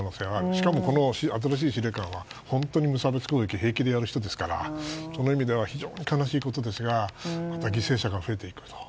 しかも新しい司令官は本当に無差別攻撃をやる人ですからその意味では非常に悲しいことですがまた犠牲者が増えていくだろうと。